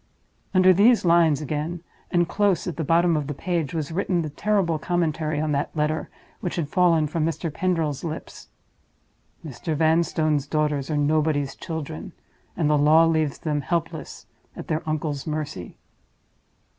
Under these lines again, and close at the bottom of the page, was written the terrible commentary on that letter which had fallen from Mr. Pendril's lips: "Mr. Vanstone's daughters are Nobody's Children, and the law leaves them helpless at their uncle's mercy."